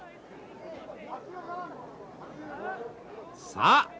さあ